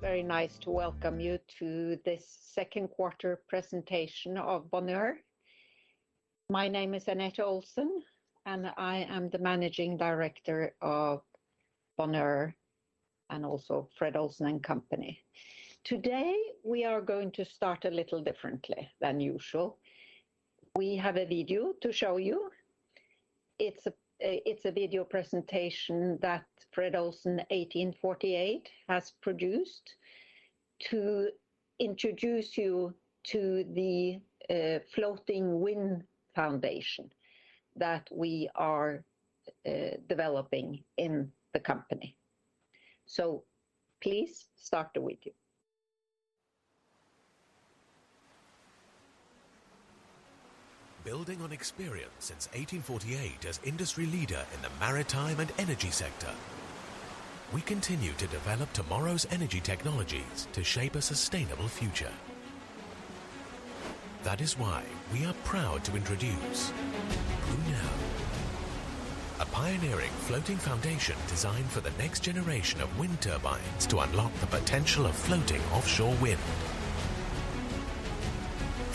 Very nice to welcome you to this second quarter presentation of Bonheur. My name is Anette Olsen, and I am the Managing Director of Bonheur and also Fred. Olsen & Co. Today, we are going to start a little differently than usual. We have a video to show you. It's a video presentation that Fred. Olsen 1848 has produced to introduce you to the floating wind foundation that we are developing in the company. Please start the video. Building on experience since 1848 as industry leader in the maritime and energy sector, we continue to develop tomorrow's energy technologies to shape a sustainable future. That is why we are proud to introduce BRUNEL, a pioneering floating foundation designed for the next generation of wind turbines to unlock the potential of floating offshore wind.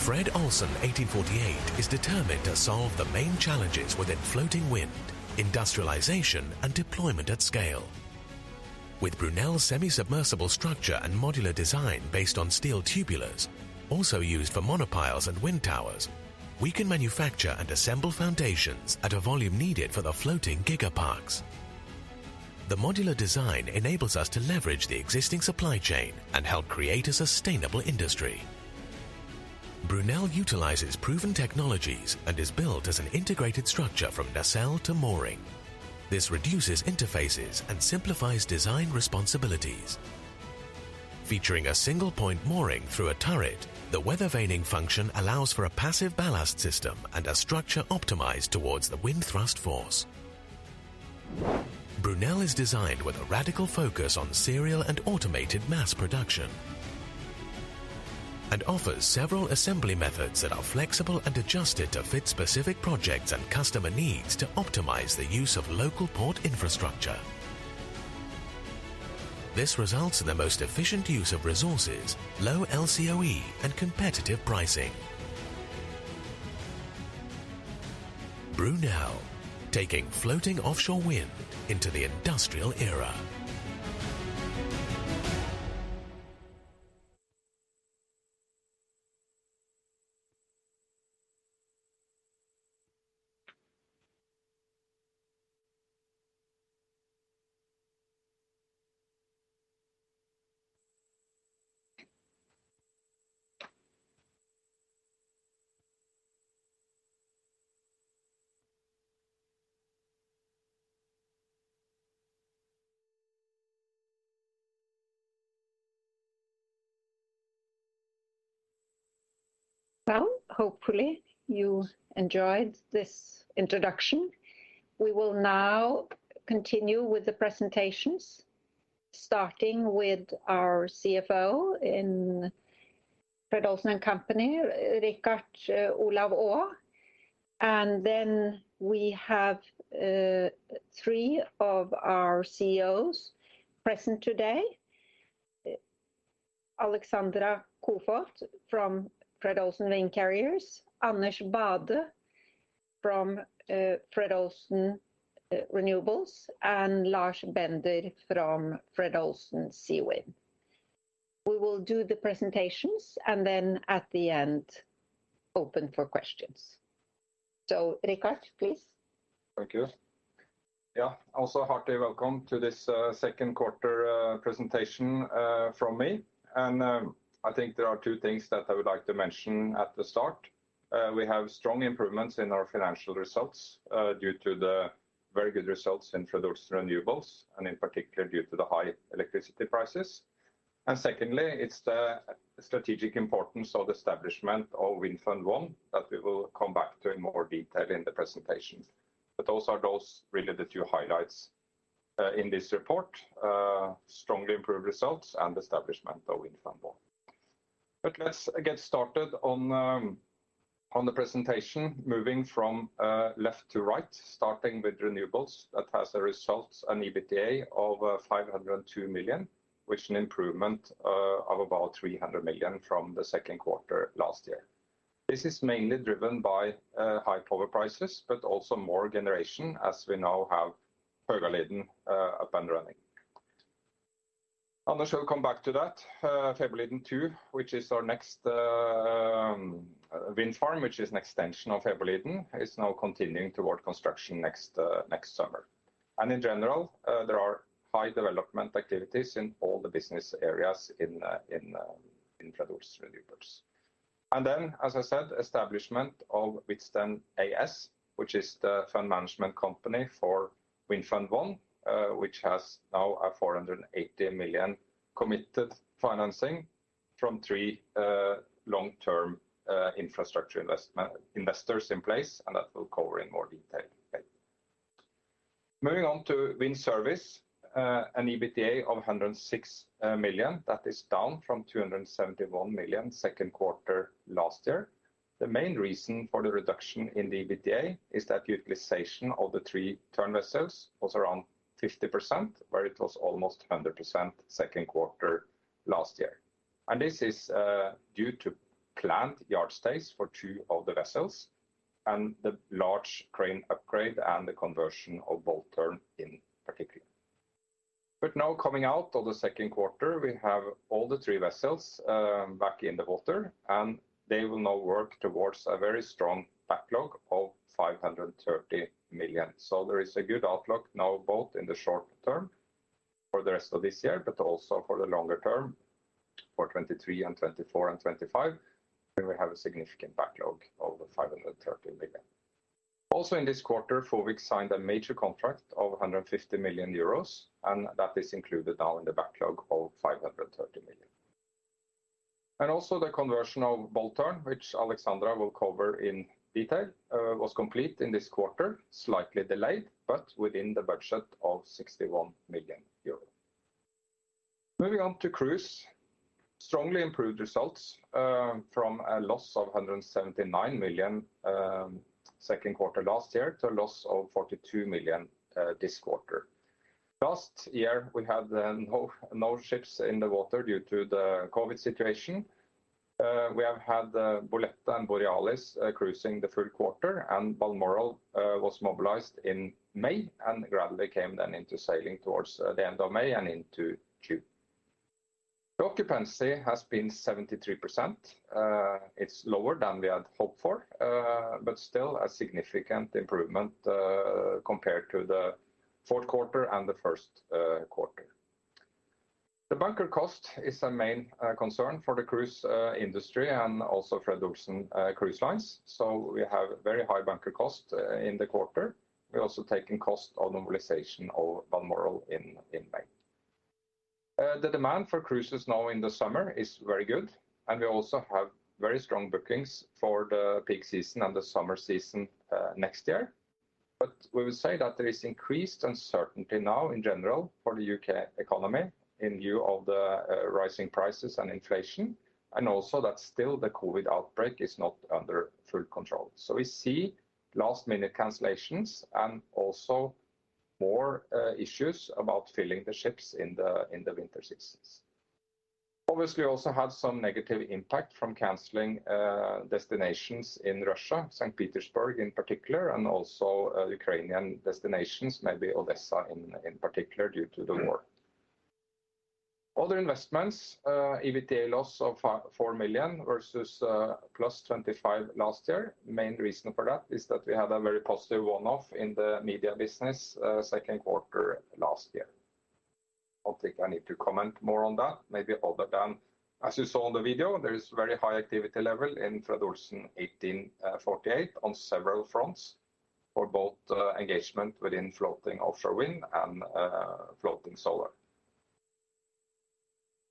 Fred. Olsen 1848 is determined to solve the main challenges within floating wind, industrialization, and deployment at scale. With BRUNEL's semi-submersible structure and modular design based on steel tubulars also used for monopiles and wind towers, we can manufacture and assemble foundations at a volume needed for the floating giga parks. The modular design enables us to leverage the existing supply chain and help create a sustainable industry. BRUNEL utilizes proven technologies and is built as an integrated structure from nacelle to mooring. This reduces interfaces and simplifies design responsibilities. Featuring a single point mooring through a turret, the weathervaning function allows for a passive ballast system and a structure optimized towards the wind thrust force. BRUNEL is designed with a radical focus on serial and automated mass production, and offers several assembly methods that are flexible and adjusted to fit specific projects and customer needs to optimize the use of local port infrastructure. This results in the most efficient use of resources, low LCOE, and competitive pricing. BRUNEL, taking floating offshore wind into the industrial era. Well, hopefully you enjoyed this introduction. We will now continue with the presentations, starting with our CFO in Fred. Olsen & Co., Richard Olav Aa. We have three of our CEOs present today. Alexandra Koefoed from Fred. Olsen Windcarrier, Anders Bade from Fred. Olsen Renewables, and Lars Bender from Fred. Olsen Seawind. We will do the presentations, and then at the end, open for questions. Richard, please. Thank you. Yeah. Hearty welcome to this second quarter presentation from me. I think there are two things that I would like to mention at the start. We have strong improvements in our financial results due to the very good results in Fred. Olsen Renewables, and in particular due to the high electricity prices. Secondly, it's the strategic importance of the establishment of Wind Fund 1 that we will come back to in more detail in the presentation. Also those really the two highlights in this report, strongly improved results and establishment of Wind Fund 1. Let's get started on the presentation, moving from left to right, starting with renewables. That has a result, an EBITDA of 502 million, which an improvement of about 300 million from the second quarter last year. This is mainly driven by high power prices, but also more generation as we now have Högaliden up and running. Anders shall come back to that. Högaliden II, which is our next wind farm, which is an extension of Högaliden, is now continuing toward construction next summer. In general, there are high development activities in all the business areas in Fred. Olsen Renewables. As I said, establishment of Hvitsten AS, which is the fund management company for Wind Fund 1, which has now 480 million committed financing from three long-term infrastructure investors in place, and that we'll cover in more detail. Moving on to wind service, an EBITDA of 106 million. That is down from 271 million second quarter last year. The main reason for the reduction in the EBITDA is that utilization of the three Tern vessels was around 50%, where it was almost 100% second quarter last year. This is due to planned yard stays for two of the vessels and the large crane upgrade and the conversion of Bold Tern in particular. Now coming out of the second quarter, we have all the three vessels back in the water, and they will now work towards a very strong backlog of 530 million. There is a good outlook now both in the short term for the rest of this year, but also for the longer term for 2023 and 2024 and 2025, where we have a significant backlog of 530 million. Also in this quarter, FOWIC signed a major contract of 150 million euros, and that is included now in the backlog of 530 million. The conversion of Bold Tern, which Alexandra will cover in detail, was complete in this quarter, slightly delayed, but within the budget of 61 million euros. Moving on to cruise, strongly improved results from a loss of 179 million second quarter last year to a loss of 42 million this quarter. Last year, we had no ships in the water due to the COVID situation. We have had Bolette and Borealis cruising the third quarter, and Balmoral was mobilized in May and gradually came then into sailing towards the end of May and into June. The occupancy has been 73%. It's lower than we had hoped for, but still a significant improvement compared to the fourth quarter and the first quarter. The bunker cost is a main concern for the cruise industry and also Fred. Olsen Cruise Lines. We have very high bunker cost in the quarter. We're also taking cost on mobilization of Balmoral in May. The demand for cruises now in the summer is very good, and we also have very strong bookings for the peak season and the summer season next year. We will say that there is increased uncertainty now in general for the U.K. economy in view of the rising prices and inflation, and also that still the COVID outbreak is not under full control. We see last-minute cancellations and also more issues about filling the ships in the winter seasons. Obviously, we also have some negative impact from canceling destinations in Russia, St. Petersburg in particular, and also Ukrainian destinations, maybe Odessa in particular due to the war. Other investments, EBITDA loss of 4 million versus +25 million last year. Main reason for that is that we had a very positive one-off in the media business, second quarter last year. I don't think I need to comment more on that. Maybe other than, as you saw in the video, there is very high activity level in Fred. Olsen 1848 on several fronts for both engagement within floating offshore wind and floating solar.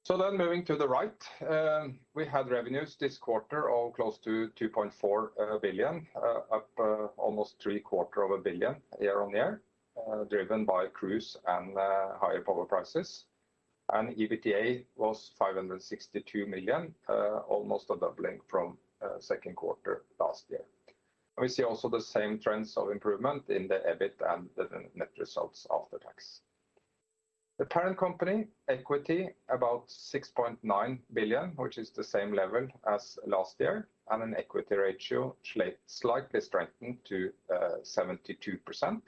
Moving to the right, we had revenues this quarter of close to 2.4 billion, up almost 750 million year-on-year, driven by cruise and higher power prices. EBITDA was 562 million, almost a doubling from second quarter last year. We see also the same trends of improvement in the EBIT and the net results after tax. The parent company equity about 6.9 billion, which is the same level as last year, and an equity ratio slightly strengthened to 72%.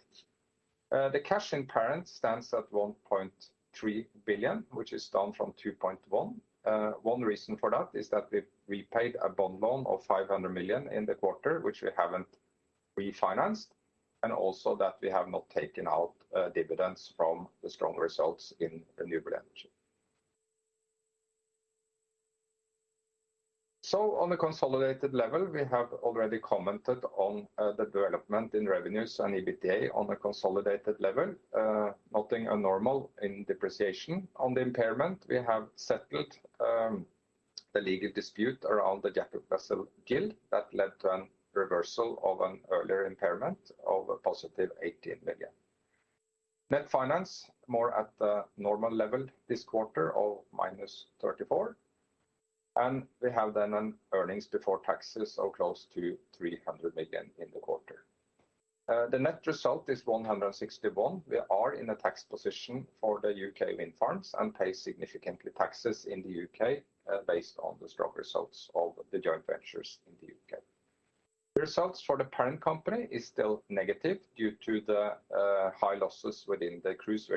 The cash in parent stands at 1.3 billion, which is down from 2.1 billion. One reason for that is that we paid a bond loan of 500 million in the quarter, which we haven't refinanced, and also that we have not taken out dividends from the strong results in the renewable energy. On a consolidated level, we have already commented on the development in revenues and EBITDA on a consolidated level, nothing abnormal in depreciation. On the impairment, we have settled the legal dispute around the jack-up vessel Jill that led to a reversal of an earlier impairment of a +80 million. Net finance costs at the normal level this quarter of -34 million. We have then an earnings before taxes of close to 300 million in the quarter. The net result is 161 million. We are in a tax position for the U.K. wind farms and pay significant taxes in the U.K., based on the strong results of the joint ventures in the U.K. The results for the parent company is still negative due to the high losses within the cruise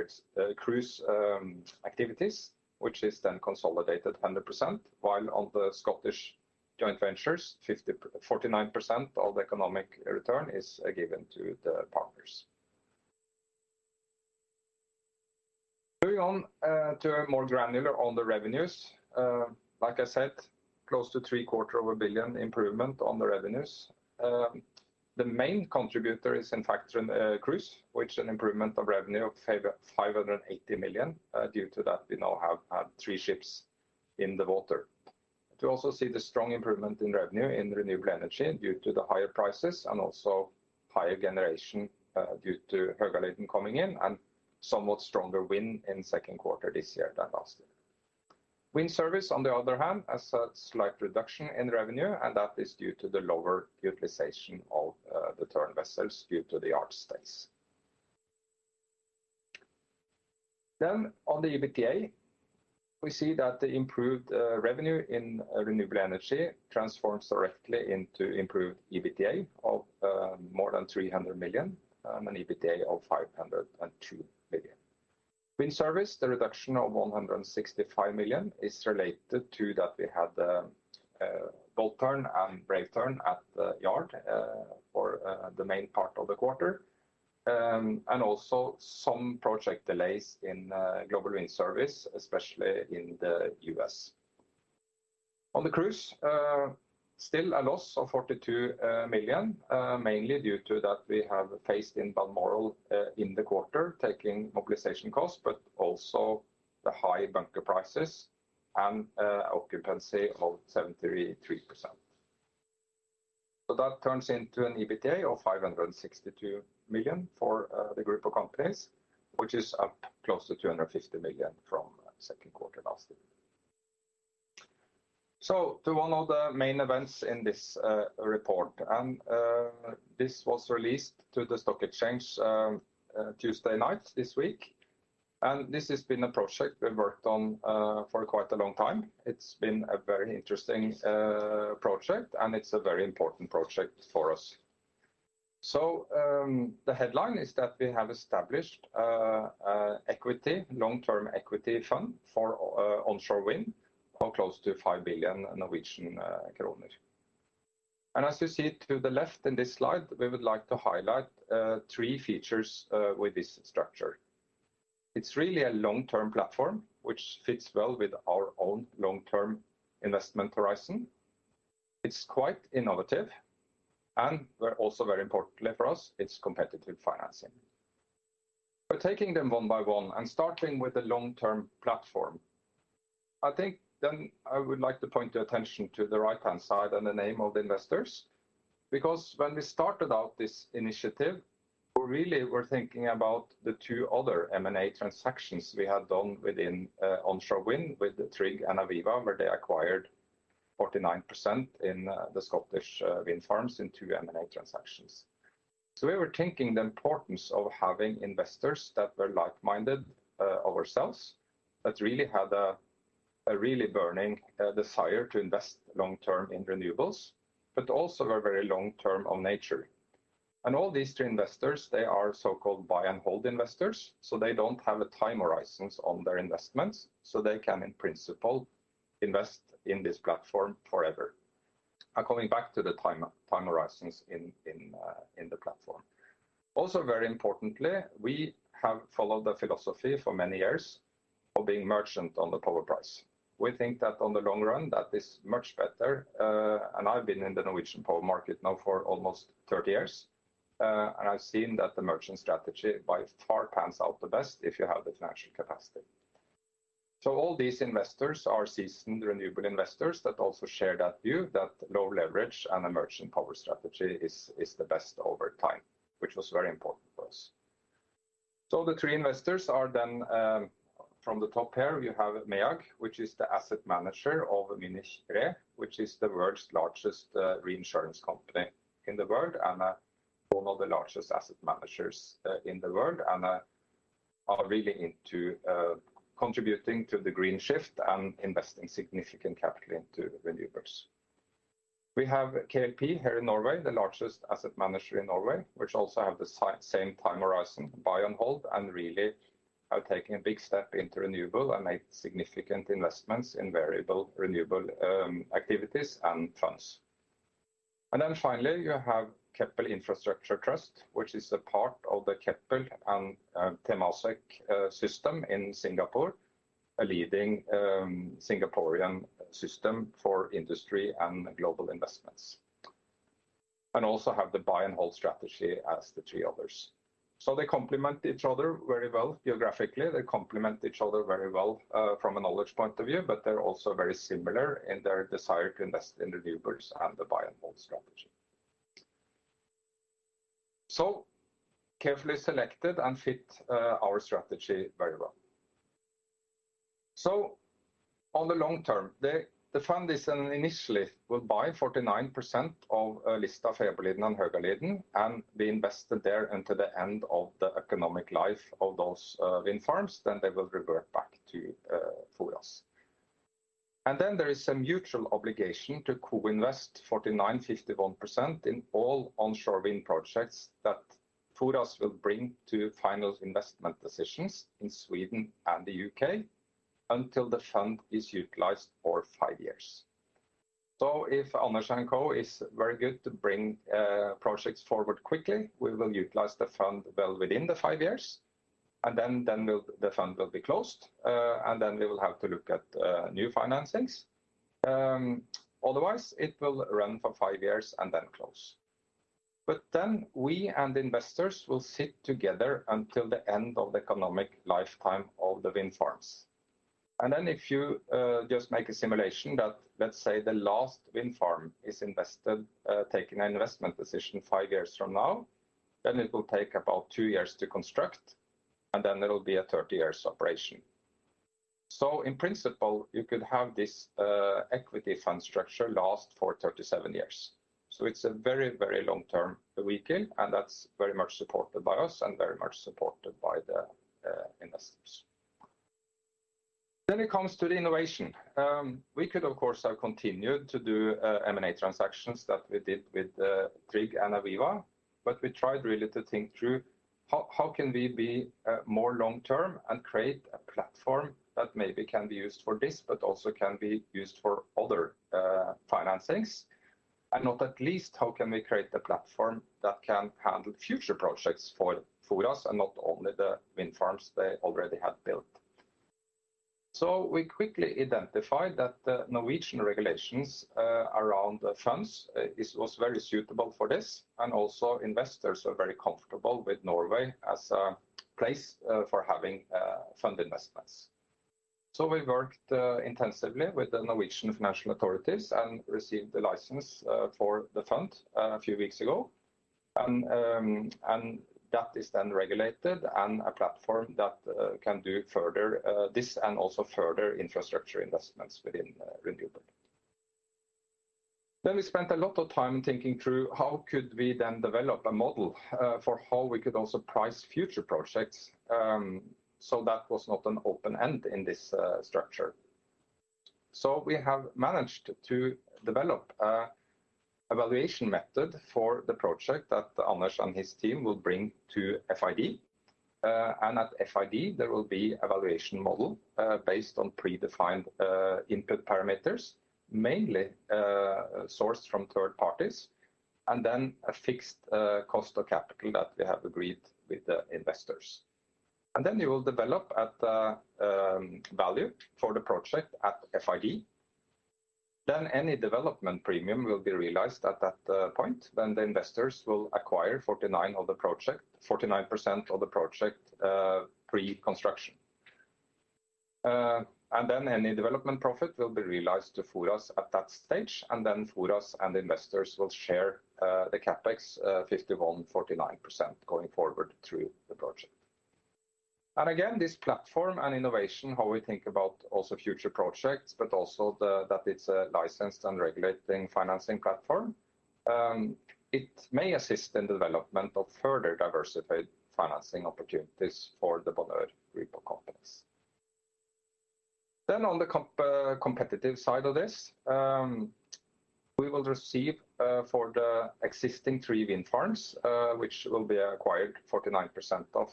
activities, which is then consolidated 100%, while on the Scottish joint ventures, 49% of the economic return is given to the partners. Moving on, to more granular on the revenues. Like I said, close to 750 million improvement on the revenues. The main contributor is in fact, cruise, with an improvement of revenue of 580 million, due to that we now have three ships in the water. We also see the strong improvement in revenue in renewable energy due to the higher prices and also higher generation, due to Högaliden coming in and somewhat stronger wind in second quarter this year than last year. Wind service, on the other hand, has had slight reduction in revenue, and that is due to the lower utilization of the Tern vessels due to the yard stays. On the EBITDA, we see that the improved revenue in renewable energy transforms directly into improved EBITDA of more than 300 million, an EBITDA of 502 million. Wind service, the reduction of 165 million is related to that we had the Bold Tern and Brave Tern at the yard for the main part of the quarter. Also some project delays in Global Wind Service, especially in the U.S. On the cruise, still a loss of 42 million, mainly due to that we have faced in Balmoral in the quarter, taking mobilization costs, but also the high bunker prices and occupancy of 73%. That turns into an EBITDA of 562 million for the group of companies, which is up close to 250 million from second quarter last year. To one of the main events in this report, this was released to the stock exchange Tuesday night this week, and this has been a project we've worked on for quite a long time. It's been a very interesting project, and it's a very important project for us. The headline is that we have established long-term equity fund for onshore wind of close to 5 billion Norwegian kroner. As you see to the left in this slide, we would like to highlight three features with this structure. It's really a long-term platform, which fits well with our own long-term investment horizon. It's quite innovative, and also very importantly for us, it's competitive financing. Taking them one by one and starting with the long-term platform, I think then I would like to point your attention to the right-hand side and the name of the investors, because when we started out this initiative, really we're thinking about the two other M&A transactions we had done within onshore wind with TRIG and Aviva, where they acquired 49% in the Scottish wind farms in two M&A transactions. We were thinking the importance of having investors that were like-minded ourselves, that really had a really burning desire to invest long-term in renewables, but also were very long-term on nature. All these three investors, they are so-called buy and hold investors, so they don't have time horizons on their investments, so they can, in principle, invest in this platform forever. Coming back to the time horizons in the platform. Also, very importantly, we have followed the philosophy for many years of being merchant on the power price. We think that in the long run that is much better, and I've been in the Norwegian power market now for almost 30 years, and I've seen that the merchant strategy by far pans out the best if you have the financial capacity. All these investors are seasoned renewable investors that also share that view that low leverage and a merchant power strategy is the best over time, which was very important for us. The three investors are then, from the top here, you have MEAG, which is the asset manager of Munich Re, which is the world's largest reinsurance company in the world and one of the largest asset managers in the world and are really into contributing to the green shift and investing significant capital into renewables. We have KLP here in Norway, the largest asset manager in Norway, which also have the same time horizon buy and hold, and really are taking a big step into renewable and make significant investments in variable renewable activities and funds. Then finally, you have Keppel Infrastructure Trust, which is a part of the Keppel and Temasek system in Singapore, a leading Singaporean system for industry and global investments, and also have the buy and hold strategy as the three others. They complement each other very well geographically. They complement each other very well from a knowledge point of view, but they're also very similar in their desire to invest in renewables and the buy and hold strategy. Carefully selected and fit our strategy very well. In the long term, the fund initially will buy 49% of Lista, Fäbodliden, and Högaliden, and be invested there until the end of the economic life of those wind farms, then they will revert back to us. Then there is a mutual obligation to co-invest 49%-51% in all onshore wind projects that for us will bring to final investment decisions in Sweden and the U.K. until the fund is utilized for five years. If [Alma & Co.] is very good to bring projects forward quickly. We will utilize the fund well within the five years, and then the fund will be closed, and then we will have to look at new financings. Otherwise, it will run for five years and then close. We and investors will sit together until the end of the economic lifetime of the wind farms. If you just make a simulation that, let's say the last wind farm is invested, taking an investment decision five years from now. It will take about two years to construct, and then there will be a 30 year operation. In principle, it could have this equity fund structure last for 37 years. It's a very, very long-term view and that's very much supported by us and very much supported by the investors. It comes to the innovation. We could, of course, have continued to do M&A transactions that we did with TRIG and Aviva, but we tried really to think through how we can be more long-term and create a platform that maybe can be used for this but also can be used for other financings, and not least how we can create a platform that can handle future projects for us and not only the wind farms they already have built. We quickly identified that the Norwegian regulations around the funds was very suitable for this, and also investors are very comfortable with Norway as a place for having fund investments. We worked intensively with the Norwegian financial authorities and received the license for the fund a few weeks ago. That is then regulated and a platform that can do further this and also further infrastructure investments within renewable. We spent a lot of time thinking through how could we then develop a model for how we could also price future projects, so that was not an open end in this structure. We have managed to develop a evaluation method for the project that Anders and his team will bring to FID. At FID, there will be evaluation model based on predefined input parameters, mainly sourced from third parties, and then a fixed cost of capital that we have agreed with the investors. You will develop at the value for the project at FID. Any development premium will be realized at that point, then the investors will acquire 49% of the project pre-construction. Any development profit will be realized for us at that stage, and us and investors will share the CapEx 51%, 49% going forward through the project. This platform and innovation, how we think about also future projects, but also that it's a licensed and regulating financing platform. It may assist in the development of further diversified financing opportunities for the Bonheur group of companies. On the competitive side of this, we will receive for the existing three wind farms, which will be acquired 49% of,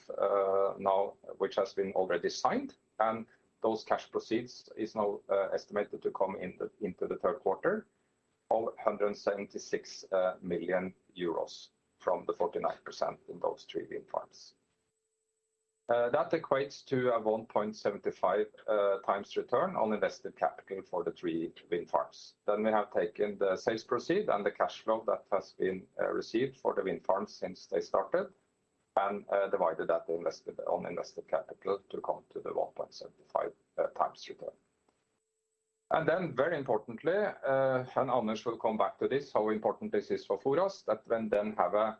now, which has been already signed. Those cash proceeds is now estimated to come into the third quarter of 176 million euros from the 49% in those three wind farms. That equates to a 1.75x return on invested capital for the three wind farms. We have taken the sales proceeds and the cash flow that has been received for the wind farms since they started and divided that by the invested capital to come to the 1.75x return. Very importantly, Anders will come back to this, how important this is for us, that we then have a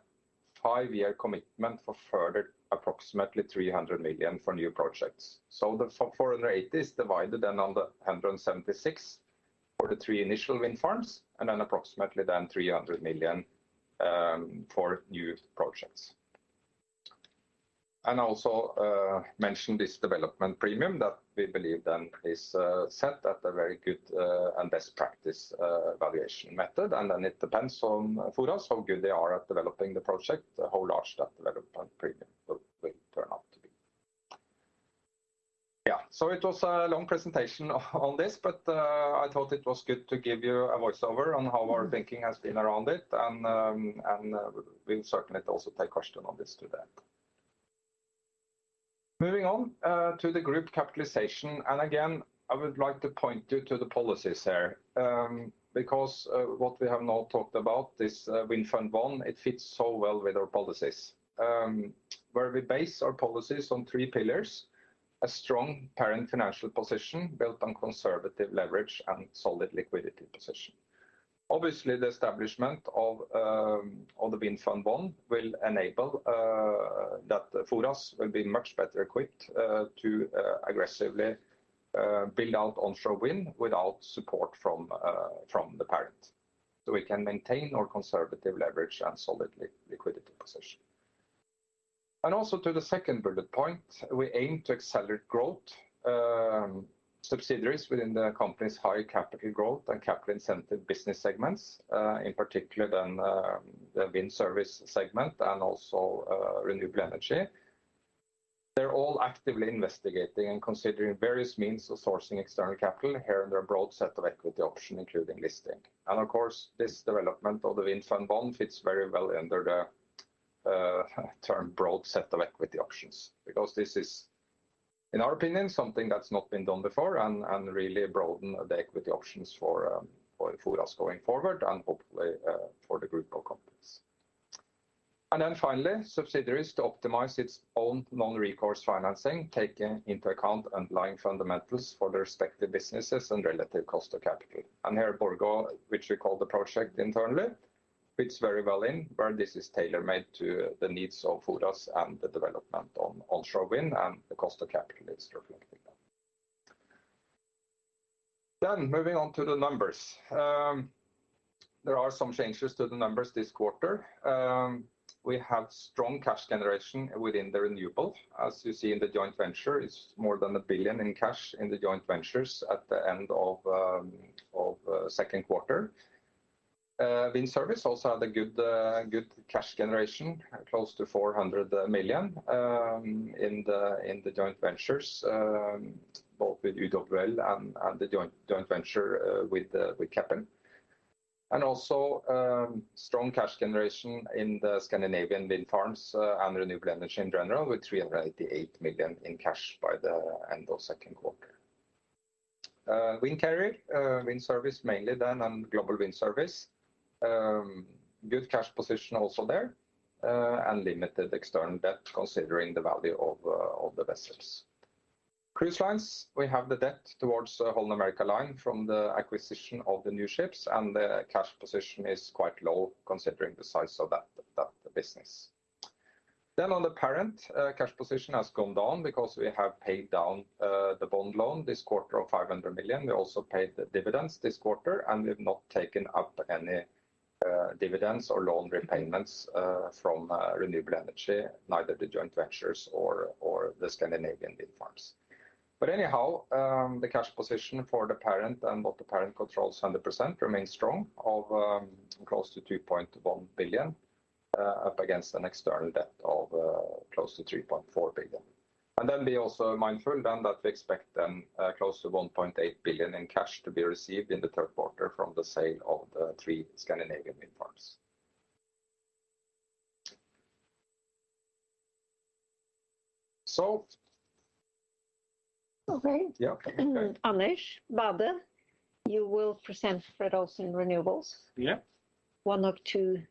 five year commitment for further approximately 300 million for new projects. The 480 million is divided then into the 176 million for the three initial wind farms and then approximately 300 million for new projects. Also, mention this development premium that we believe then is set at a very good and best practice evaluation method. It depends on for us how good they are at developing the project, how large that development premium will turn out to be. Yeah. It was a long presentation on this, but I thought it was good to give you an overview on how our thinking has been around it. We'll certainly also take questions on this today. Moving on to the group capitalization. Again, I would like to point you to the policies there, because what we have now talked about, this Wind Fund 1, it fits so well with our policies. Where we base our policies on three pillars, a strong parent financial position built on conservative leverage and solid liquidity position. Obviously, the establishment of the Wind Fund 1 will enable that for us will be much better equipped to aggressively build out onshore wind without support from the parent. We can maintain our conservative leverage and solid liquidity position. Also to the second bullet point, we aim to accelerate growth, subsidiaries within the company's high capital growth and capital intensive business segments, in particular then, the wind service segment and also, renewable energy. They're all actively investigating and considering various means of sourcing external capital here under a broad set of equity option, including listing. Of course, this development of the Wind Fund 1 fits very well under the term broad set of equity options because this is, in our opinion, something that's not been done before and really broaden the equity options for us going forward and hopefully, for the group of companies. Then finally, subsidiaries to optimize its own non-recourse financing, taking into account underlying fundamentals for their respective businesses and relative cost of capital. Here, Bonheur, which we call the project internally fits very well where this is tailor-made to the needs of Vestas and the development onshore wind and the cost of capital is reflecting that. Moving on to the numbers. There are some changes to the numbers this quarter. We have strong cash generation within the renewables. As you see in the joint venture, it's more than 1 billion in cash in the joint ventures at the end of second quarter. Wind service also had a good cash generation, close to 400 million in the joint ventures, both with UWL and the joint venture with Keppel. Strong cash generation in the Scandinavian wind farms and renewable energy in general, with 388 million in cash by the end of second quarter. Windcarrier, Wind Service, mainly then, Global Wind Service. Good cash position also there, and limited external debt considering the value of the vessels. Cruise lines, we have the debt towards Holland America Line from the acquisition of the new ships. The cash position is quite low considering the size of that business. On the parent, cash position has gone down because we have paid down the bond loan this quarter of 500 million. We also paid the dividends this quarter, and we've not taken up any dividends or loan repayments from renewable energy, neither the joint ventures or the Scandinavian wind farms. Anyhow, the cash position for the parent and what the parent controls 100% remains strong of close to 2.1 billion up against an external debt of close to 3.4 billion. Be also mindful then that we expect then close to 1.8 billion in cash to be received in the third quarter from the sale of the three Scandinavian wind farms. Okay. Yeah. Anders Bade, you will present Fred. Olsen Renewables. Yeah. One of two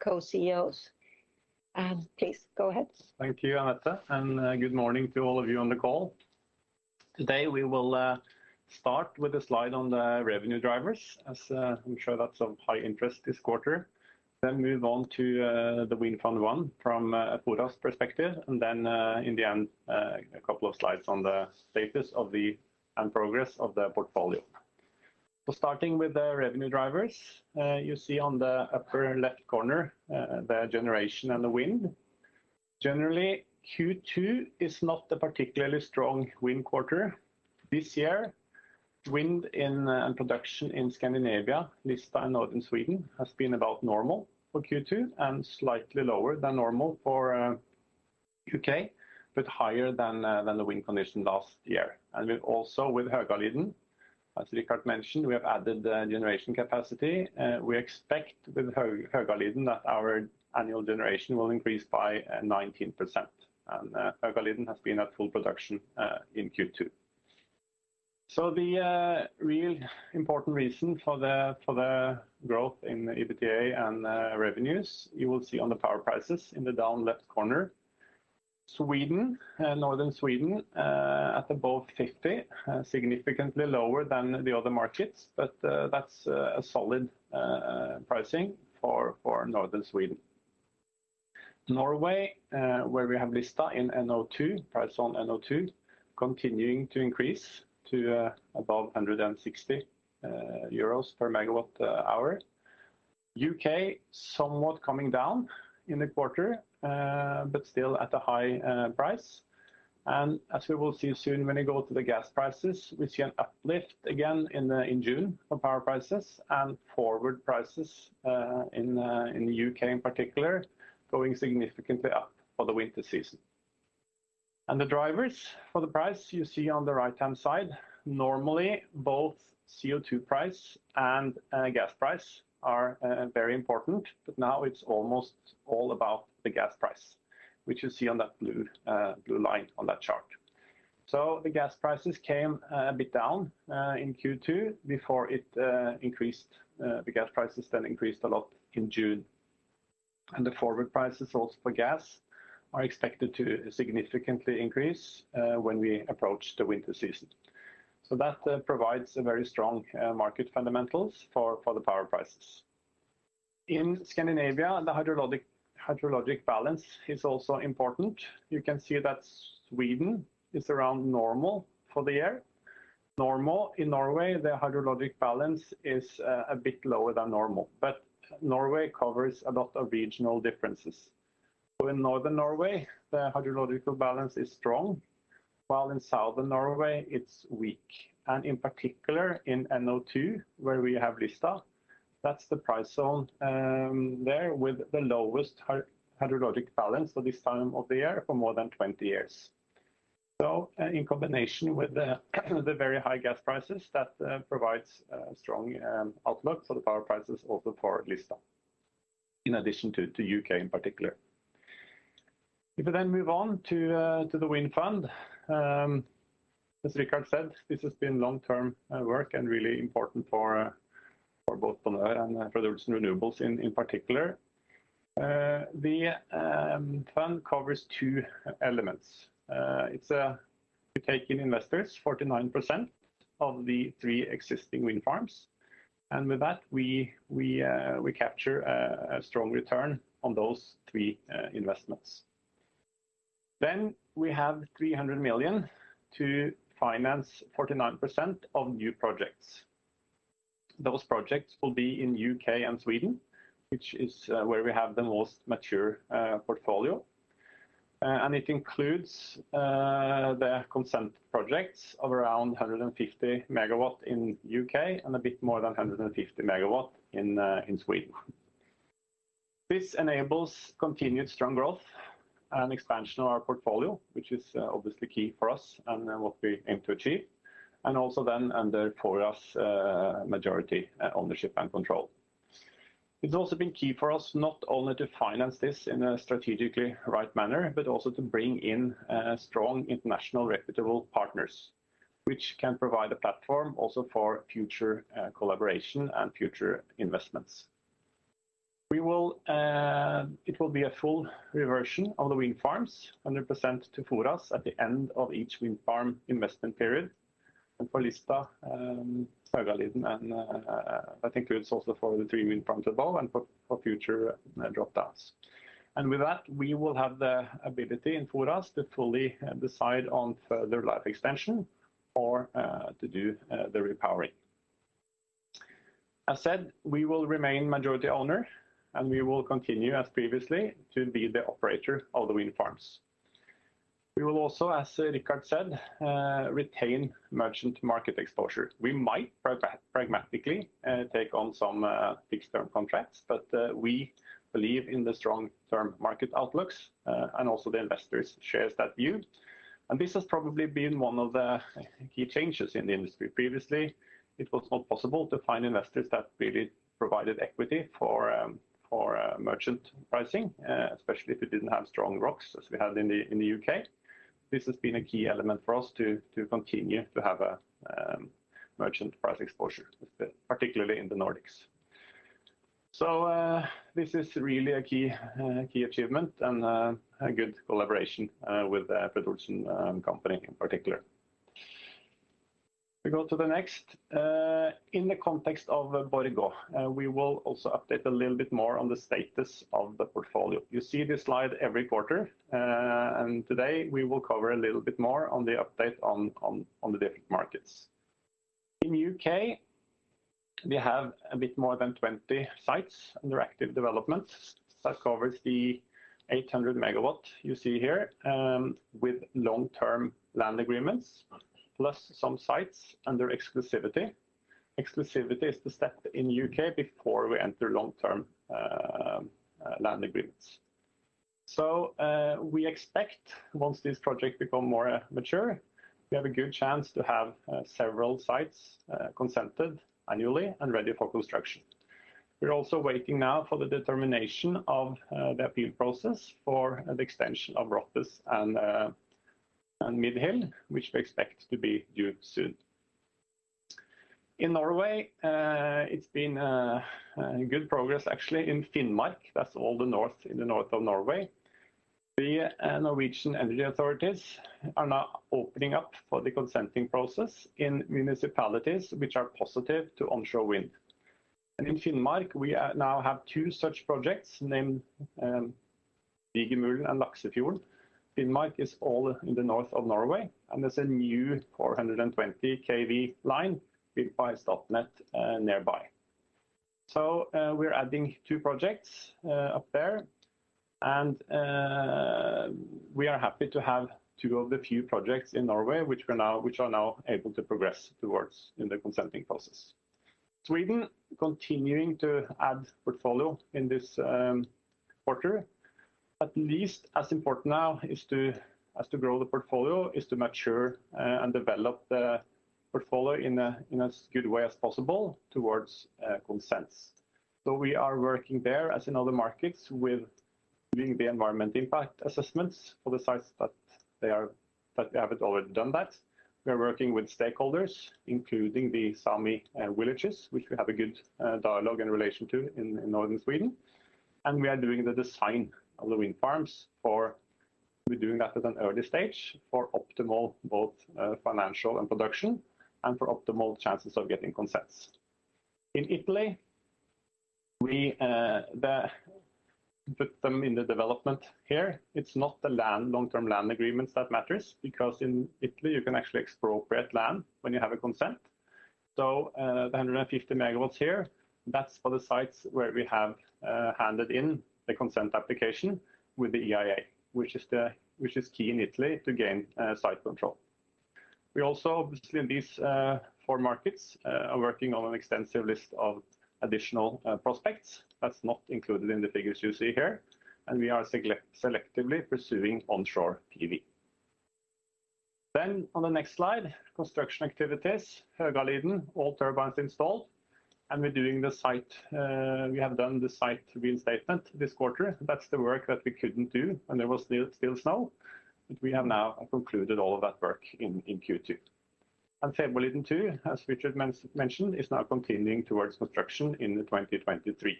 co-CEOs. Please go ahead. Thank you, Anette. Good morning to all of you on the call. Today, we will start with a slide on the revenue drivers, as I'm sure that's of high interest this quarter. Then move on to the Wind Fund 1 from Bonheur's perspective. In the end, a couple of slides on the status and progress of the portfolio. Starting with the revenue drivers, you see on the upper left corner the generation and the wind. Generally, Q2 is not a particularly strong wind quarter. This year, wind and production in Scandinavia, Lista and Northern Sweden, has been about normal for Q2 and slightly lower than normal for U.K., but higher than the wind condition last year. We've also, with Högaliden, as Richard mentioned, added the generation capacity. We expect with Högaliden that our annual generation will increase by 19%. Högaliden has been at full production in Q2. The real important reason for the growth in the EBITDA and revenues, you will see on the power prices in the bottom left corner. Sweden, northern Sweden, at above 50, significantly lower than the other markets, but that's a solid pricing for northern Sweden. Norway, where we have Lista in NO2, price in NO2, continuing to increase to above 160. U.K. somewhat coming down in the quarter, but still at a high price. As we will see soon when we go to the gas prices, we see an uplift again in June for power prices and forward prices in the U.K. in particular, going significantly up for the winter season. The drivers for the price you see on the right-hand side. Normally, both CO2 price and gas price are very important, but now it's almost all about the gas price, which you see on that blue line on that chart. The gas prices came a bit down in Q2 before it increased. The gas prices then increased a lot in June. The forward prices also for gas are expected to significantly increase when we approach the winter season. That provides a very strong market fundamentals for the power prices. In Scandinavia, the hydrological balance is also important. You can see that Sweden is around normal for the year. Normal in Norway, the hydrological balance is a bit lower than normal. Norway covers a lot of regional differences. In northern Norway, the hydrological balance is strong, while in southern Norway it's weak. In particular, in NO2, where we have Lista, that's the price zone, there with the lowest hydrological balance for this time of the year for more than 20 years. In combination with the very high gas prices, that provides a strong outlook for the power prices also for Lista, in addition to UK in particular. If we then move on to the Wind Fund, as Richard said, this has been long-term work and really important for both Bonheur and Fred. Olsen Renewables in particular. The fund covers two elements. It's we take in investors 49% of the three existing wind farms. With that, we capture a strong return on those three investments. We have 300 million to finance 49% of new projects. Those projects will be in U.K. and Sweden, which is where we have the most mature portfolio. It includes the consented projects of around 150 MW in U.K. and a bit more than 150 MW in Sweden. This enables continued strong growth and expansion of our portfolio, which is obviously key for us and what we aim to achieve, and also under our majority ownership and control. It's also been key for us not only to finance this in a strategically right manner, but also to bring in strong international reputable partners, which can provide a platform also for future collaboration and future investments. It will be a full reversion of the wind farms, 100% to FORAS at the end of each wind farm investment period. For Lista, Fäbodliden and I think it's also for the three wind farms above and for future drop downs. With that, we will have the ability in FORAS to fully decide on further life extension or to do the repowering. As said, we will remain majority owner, and we will continue as previously to be the operator of the wind farms. We will also, as Richard said, retain merchant market exposure. We might pragmatically take on some fixed-term contracts, but we believe in the strong long-term market outlooks, and also the investors share that view. This has probably been one of the key changes in the industry. Previously, it was not possible to find investors that really provided equity for merchant pricing, especially if it didn't have strong ROCs as we have in the U.K. This has been a key element for us to continue to have a merchant price exposure, particularly in the Nordics. This is really a key achievement and a good collaboration with pension company in particular. We go to the next. In the context of Bonheur, we will also update a little bit more on the status of the portfolio. You see this slide every quarter. Today, we will cover a little bit more on the update on the different markets. In the U.K., we have a bit more than 20 sites under active developments. That covers the 800 MW you see here, with long-term land agreements, plus some sites under exclusivity. Exclusivity is the step in the U.K. before we enter long-term land agreements. We expect once this project become more mature, we have a good chance to have several sites consented annually and ready for construction. We're also waiting now for the determination of the appeal process for the extension of Rothes and Mid Hill, which we expect to be due soon. In Norway, it's been good progress actually in Finnmark. That's all the north, in the north of Norway. The Norwegian energy authorities are now opening up for the consenting process in municipalities which are positive to onshore wind. In Finnmark, we now have two such projects named Digermulen and Laksefjord. Finnmark is all in the north of Norway, and there's a new 420 kV line built by Statnett nearby. We're adding two projects up there. We are happy to have two of the few projects in Norway which are now able to progress towards the consenting process. Sweden continuing to add portfolio in this quarter. At least as important now is to, as to grow the portfolio, is to mature and develop the portfolio in as good way as possible towards consents. We are working there, as in other markets, with doing the environmental impact assessments for the sites that they haven't already done that. We are working with stakeholders, including the Sami villages, which we have a good dialogue in relation to in northern Sweden. We are doing the design of the wind farms. We're doing that at an early stage for optimal both financial and production, and for optimal chances of getting consents. In Italy, we put them in the development here. It's not the long-term land agreements that matter because in Italy, you can actually expropriate land when you have a consent. The 150 MW here, that's for the sites where we have handed in the consent application with the EIA, which is key in Italy to gain site control. We also, obviously in these four markets, are working on an extensive list of additional prospects. That's not included in the figures you see here, and we are selectively pursuing onshore PV. On the next slide, construction activities. Högaliden, all turbines installed, and we have done the site reinstatement this quarter. That's the work that we couldn't do, and there was still snow, but we have now concluded all of that work in Q2. Fäbodliden II, as Richard mentioned, is now continuing towards construction in 2023.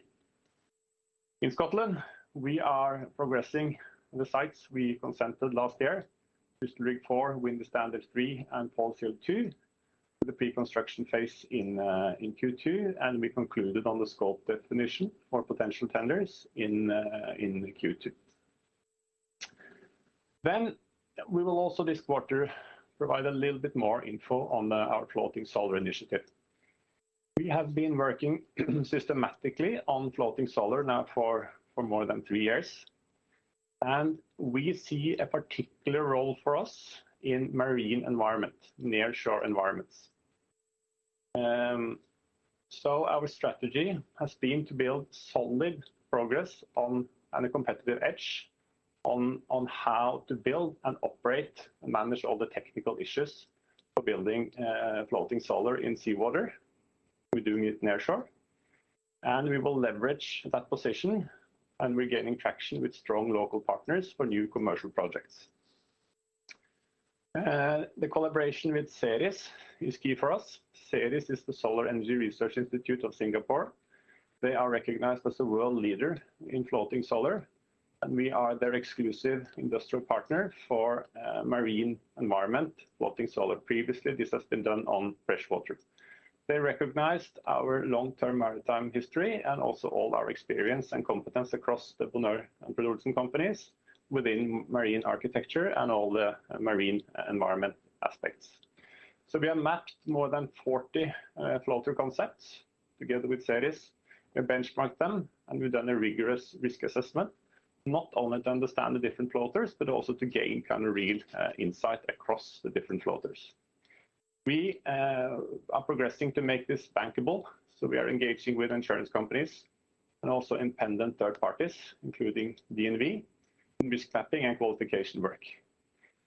In Scotland, we are progressing the sites we consented last year, Crystal Rig IV, Windy Standard III, and Paul's Hill II, with the pre-construction phase in Q2, and we concluded on the scope definition for potential tenders in Q2. We will also this quarter provide a little bit more info on our floating solar initiative. We have been working systematically on floating solar now for more than three years, and we see a particular role for us in marine environment, nearshore environments. Our strategy has been to build solid progress and a competitive edge on how to build and operate and manage all the technical issues for building floating solar in seawater. We're doing it nearshore, and we will leverage that position, and we're gaining traction with strong local partners for new commercial projects. The collaboration with SERIS is key for us. SERIS is the Solar Energy Research Institute of Singapore. They are recognized as the world leader in floating solar, and we are their exclusive industrial partner for marine environment floating solar. Previously, this has been done on freshwater. They recognized our long-term maritime history and also all our experience and competence across the Bonheur and Fred. Olsen companies within marine architecture and all the marine environment aspects. We have mapped more than 40 floater concepts together with SERIS and benchmarked them, and we've done a rigorous risk assessment, not only to understand the different floaters but also to gain kind of real insight across the different floaters. We are progressing to make this bankable, so we are engaging with insurance companies and also independent third parties, including DNV, in risk mapping and qualification work.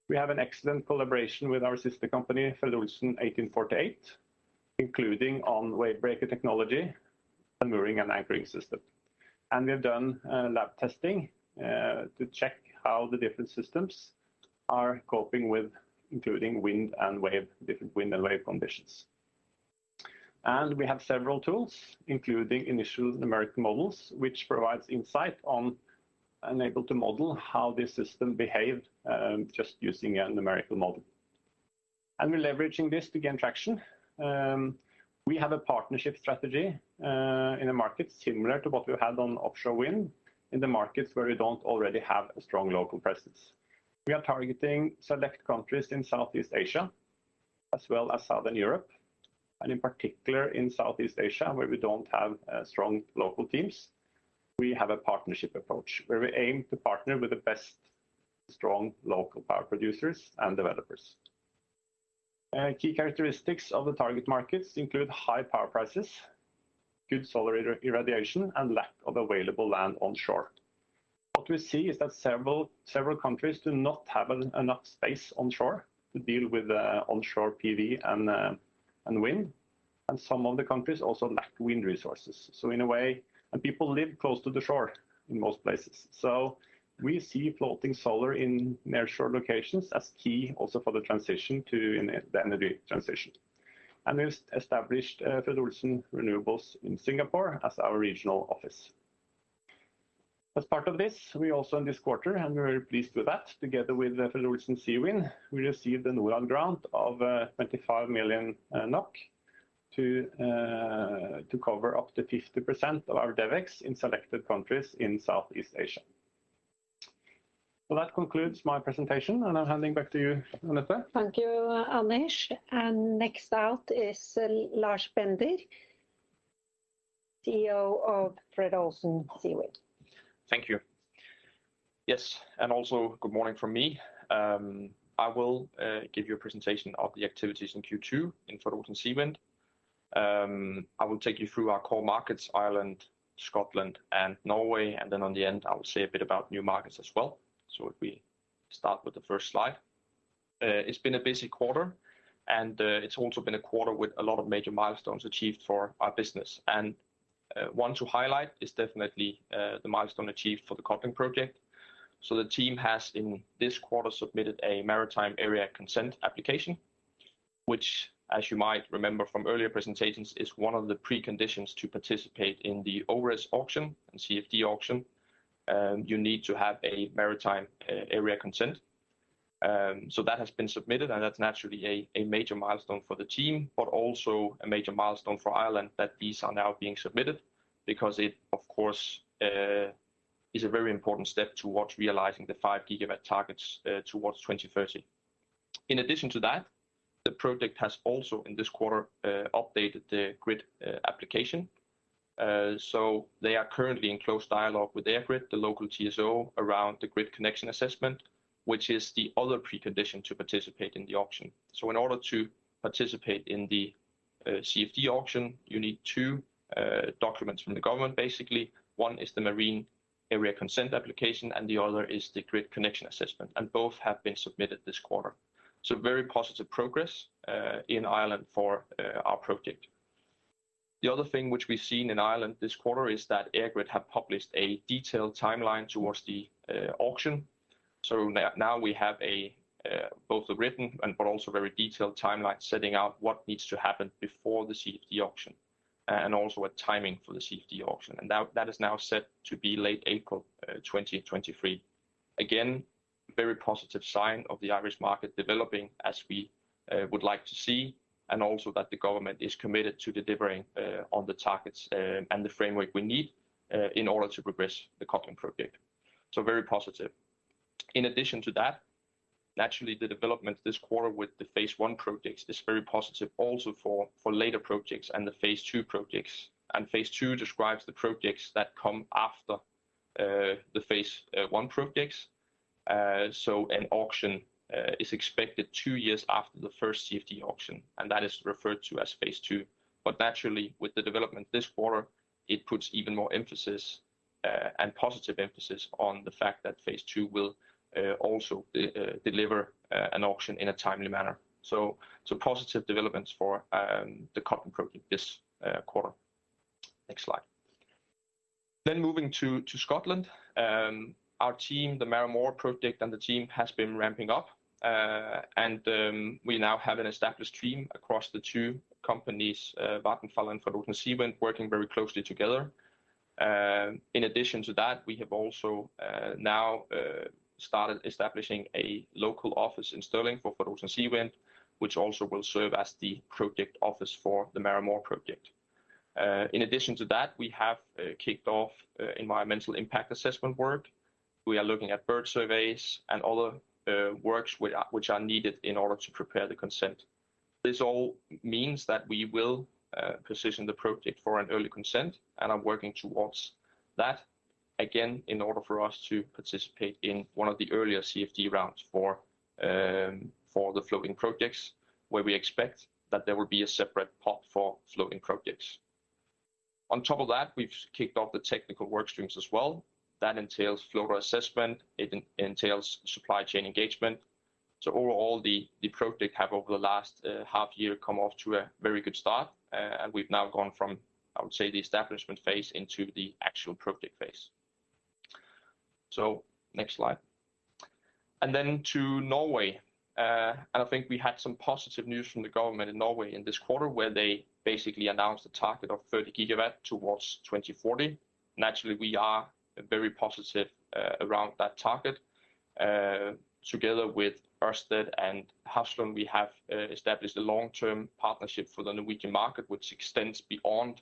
We have an excellent collaboration with our sister company, Fred. Olsen 1848, including on wave breaker technology and mooring and anchoring system. We have done lab testing to check how the different systems are coping with including wind and wave, different wind and wave conditions. We have several tools, including initial numerical models, which provides insight on and able to model how this system behaved just using a numerical model. We're leveraging this to gain traction. We have a partnership strategy in the markets similar to what we had on offshore wind in the markets where we don't already have a strong local presence. We are targeting select countries in Southeast Asia as well as Southern Europe, and in particular in Southeast Asia, where we don't have strong local teams, we have a partnership approach, where we aim to partner with the best strong local power producers and developers. Key characteristics of the target markets include high power prices, good solar irradiation, and lack of available land onshore. What we see is that several countries do not have enough space onshore to deal with onshore PV and wind, and some of the countries also lack wind resources. People live close to the shore in most places. We see floating solar in nearshore locations as key also for the transition in the energy transition. We've established Fred. Olsen Renewables in Singapore as our regional office. As part of this, we also in this quarter, and we're very pleased with that, together with Fred. Olsen Seawind, we received the Norad grant of 25 million NOK to cover up to 50% of our devex in selected countries in Southeast Asia. That concludes my presentation, and I'm handing back to you, Anette. Thank you, Anders. Next up is Lars Bender, CEO of Fred. Olsen Seawind. Thank you. Yes, and also good morning from me. I will give you a presentation of the activities in Q2 in Fred. Olsen Seawind. I will take you through our core markets, Ireland, Scotland, and Norway, and then on the end, I will say a bit about new markets as well. If we start with the first slide. It's been a busy quarter, and it's also been a quarter with a lot of major milestones achieved for our business. One to highlight is definitely the milestone achieved for the Dublin project. The team has, in this quarter, submitted a Maritime Area Consent application, which as you might remember from earlier presentations, is one of the preconditions to participate in the ORESS auction and CfD auction. You need to have a Maritime Area Consent. That has been submitted, and that's naturally a major milestone for the team, but also a major milestone for Ireland that these are now being submitted because it, of course, is a very important step towards realizing the 5 GW targets towards 2030. In addition to that, the project has also, in this quarter, updated the grid application. They are currently in close dialogue with EirGrid, the local TSO, around the Grid Connection Assessment, which is the other precondition to participate in the auction. In order to participate in the CfD auction, you need two documents from the government basically. One is the Marine Area Consent application, and the other is the Grid Connection Assessment, and both have been submitted this quarter. Very positive progress in Ireland for our project. The other thing which we've seen in Ireland this quarter is that EirGrid have published a detailed timeline towards the auction. Now we have both a written and but also very detailed timeline setting out what needs to happen before the CfD auction and also a timing for the CfD auction. And that is now set to be late April 2023. Again, very positive sign of the Irish market developing as we would like to see, and also that the government is committed to delivering on the targets and the framework we need in order to progress the Codling project. Very positive. In addition to that, naturally, the development this quarter with the phase I project is very positive also for later projects and the phase II projects. Phase II describes the projects that come after the phase I projects. An auction is expected two years after the first CfD auction, and that is referred to as phase II. Naturally, with the development this quarter, it puts even more emphasis and positive emphasis on the fact that phase II will also deliver an auction in a timely manner. Positive developments for the Codling project this quarter. Next slide. Then moving to Scotland. Our team, the Mara Mhòr project and the team has been ramping up. We now have an established team across the two companies, Vattenfall and Fred. Olsen Seawind working very closely together. In addition to that, we have also now started establishing a local office in Stirling for Fred. Olsen Seawind which also will serve as the project office for the Mara Mhòr project. In addition to that, we have kicked off environmental impact assessment work. We are looking at bird surveys and other works which are needed in order to prepare the consent. This all means that we will position the project for an early consent, and are working towards that, again, in order for us to participate in one of the earlier CfD rounds for the floating projects, where we expect that there will be a separate pot for floating projects. On top of that, we've kicked off the technical work streams as well. That entails floral assessment, it entails supply chain engagement. Overall, the project have over the last half year come off to a very good start. We've now gone from, I would say, the establishment phase into the actual project phase. Next slide. To Norway, I think we had some positive news from the government in Norway in this quarter, where they basically announced a target of 30 GW towards 2040. Naturally, we are very positive around that target. Together with Ørsted and Hafslund, we have established a long-term partnership for the Norwegian market, which extends beyond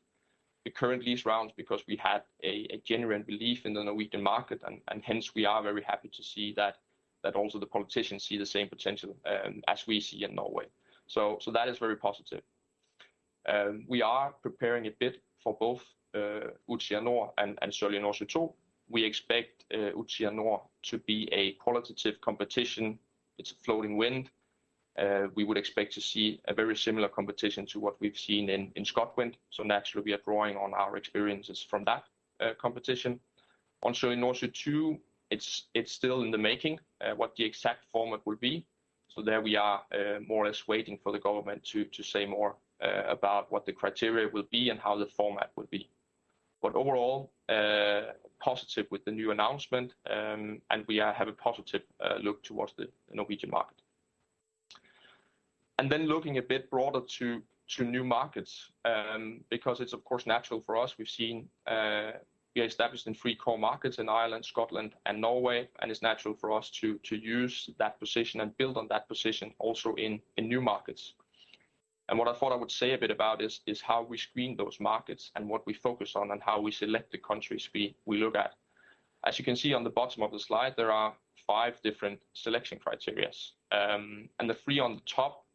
the current lease rounds because we had a genuine belief in the Norwegian market. Hence we are very happy to see that also the politicians see the same potential as we see in Norway. That is very positive. We are preparing a bid for both Utsira Nord and Sørlige Nordsjø II. We expect Utsira Nord to be a qualitative competition. It's floating wind. We would expect to see a very similar competition to what we've seen in Scotland. Naturally, we are drawing on our experiences from that competition. On Sørlige Nordsjø II, it's still in the making what the exact format will be. There we are more or less waiting for the government to say more about what the criteria will be and how the format will be. Overall, positive with the new announcement, and we have a positive look towards the Norwegian market. Then looking a bit broader to new markets, because it's of course natural for us. We are established in three core markets in Ireland, Scotland and Norway, and it's natural for us to use that position and build on that position also in new markets. What I thought I would say a bit about is how we screen those markets and what we focus on and how we select the countries we look at. As you can see on the bottom of the slide, there are five different selection criteria. The three on the top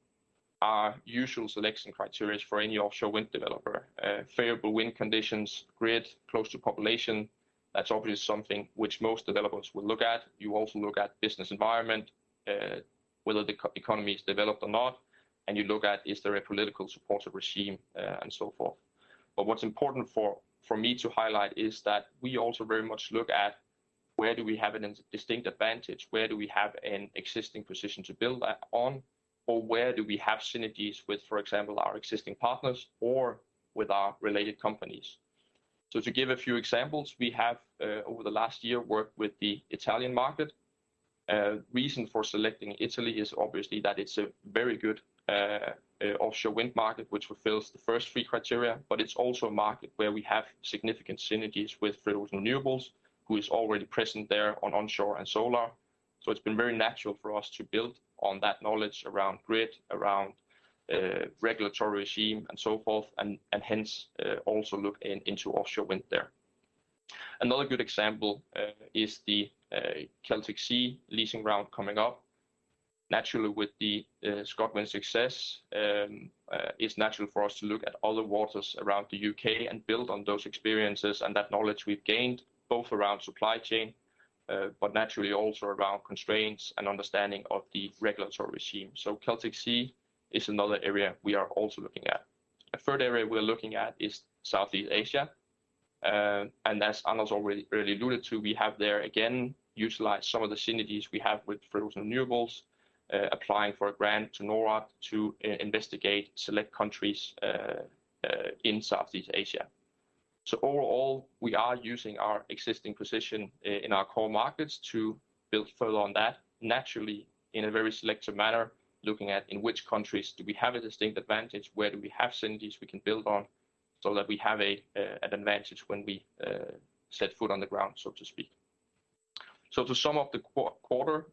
are usual selection criteria for any offshore wind developer. Favorable wind conditions, grid close to population. That's obviously something which most developers will look at. You also look at business environment, whether the economy is developed or not, and you look at is there a politically supportive regime, and so forth. What's important for me to highlight is that we also very much look at where do we have a distinct advantage, where do we have an existing position to build that on, or where do we have synergies with, for example, our existing partners or with our related companies. To give a few examples, we have over the last year worked with the Italian market. Reason for selecting Italy is obviously that it's a very good offshore wind market, which fulfills the first three criteria, but it's also a market where we have significant synergies with Vattenfall Renewables, who is already present there on onshore and solar. It's been very natural for us to build on that knowledge around grid, around regulatory regime and so forth, and hence also look into offshore wind there. Another good example is the Celtic Sea leasing round coming up. Naturally with the Scotland success, it's natural for us to look at other waters around the U.K. and build on those experiences and that knowledge we've gained, both around supply chain, but naturally also around constraints and understanding of the regulatory regime. Celtic Sea is another area we are also looking at. A third area we're looking at is Southeast Asia. As Anders already alluded to, we have there again utilized some of the synergies we have with Fred. Olsen Renewables, applying for a grant to Norad to investigate select countries in Southeast Asia. Overall, we are using our existing position in our core markets to build further on that naturally in a very selective manner, looking at in which countries do we have a distinct advantage, where do we have synergies we can build on so that we have an advantage when we set foot on the ground, so to speak. To sum up the quarter,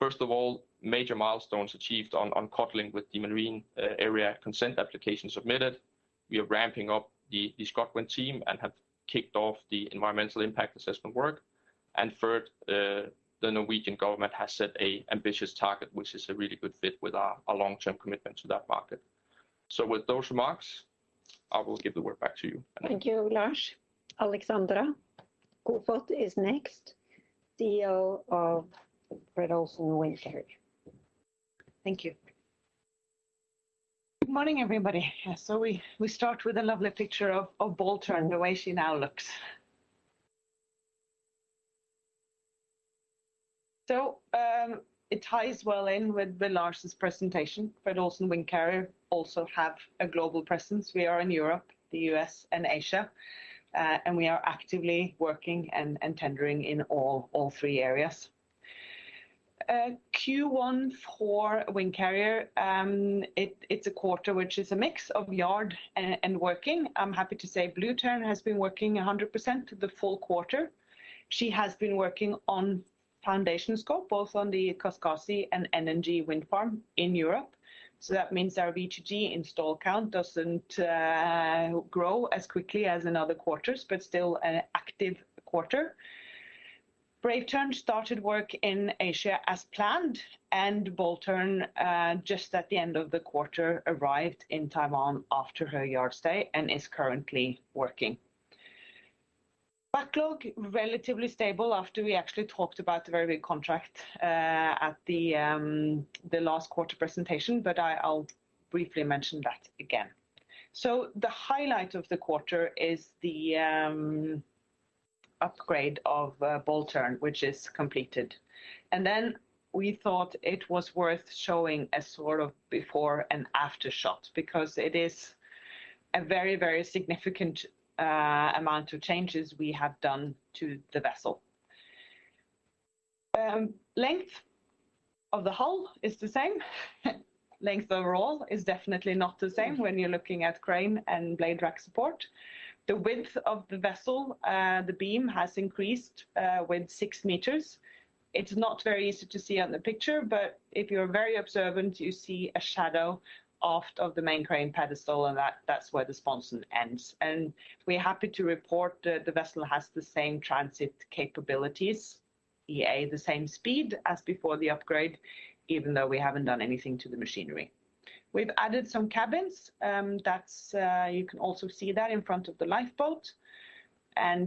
first of all, major milestones achieved on Codling with the Marine Area Consent application submitted. We are ramping up the Scotland team and have kicked off the environmental impact assessment work. Third, the Norwegian government has set an ambitious target which is a really good fit with our long-term commitment to that market. With those remarks, I will give the word back to you, Anette. Thank you, Lars. Alexandra Koefoed is next, CEO of Fred. Olsen Windcarrier. Thank you. Good morning, everybody. We start with a lovely picture of Bold Tern, the way she now looks. It ties well in with the Lars' presentation. Fred. Olsen Windcarrier also have a global presence. We are in Europe, the U.S., and Asia. We are actively working and tendering in all three areas. Q1 for Windcarrier, it's a quarter which is a mix of yard and working. I'm happy to say Blue Tern has been working 100% the full quarter. She has been working on foundation scope, both on the Kaskasi and NNG wind farm in Europe. That means our V2G install count doesn't grow as quickly as in other quarters, but still an active quarter. Brave Tern started work in Asia as planned, and Bold Tern just at the end of the quarter arrived in Taiwan after her yard stay and is currently working. Backlog relatively stable after we actually talked about the very big contract at the last quarter presentation, but I'll briefly mention that again. The highlight of the quarter is the upgrade of Bold Tern, which is completed. Then we thought it was worth showing a sort of before and after shot because it is a very, very significant amount of changes we have done to the vessel. Length of the hull is the same. Length overall is definitely not the same when you're looking at crane and blade rack support. The width of the vessel, the beam has increased with 6 m. It's not very easy to see on the picture, but if you're very observant, you see a shadow aft of the main crane pedestal, and that's where the sponson ends. We're happy to report the vessel has the same transit capabilities, i.e., the same speed as before the upgrade, even though we haven't done anything to the machinery. We've added some cabins. You can also see that in front of the lifeboat.